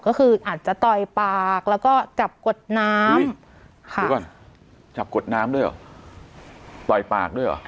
ก็คืออาจจะต่อยปากแล้วก็จับกดน้ำจับกดน้ำด้วยหรอปล่อยปากด้วยหรอ